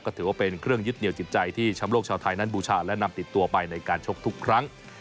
ก็ถือว่าเป็นเครื่องยึดเหนียวจิตใจที่ช้ำโลกชาวไทยนั้นบูชาและนำติดตัวไปในการชกทุกครั้ง